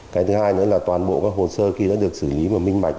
cái thứ hai nữa là toàn bộ các hồ sơ khi đã được xử lý và minh bạch